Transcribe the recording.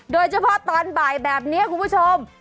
โดยเฉพาะตอนบ่ายแบบนี้คุณผู้ชม